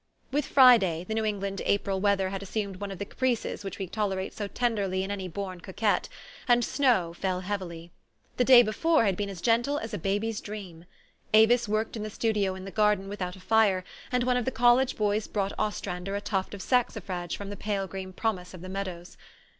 With Friday, the New England April weather had assumed one of the caprices which we tolerate so tenderly in any born coquette ; and snow fell heavi ly. The day before had been as gentle as a baby's dream. Avis worked in the studio in the garden without a fire ; and one of the college boys brought Ostrander a tuft of saxifrage from the pale green promise of the meadows.